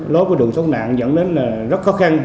lối vào đường thốt nạn dẫn đến rất khó khăn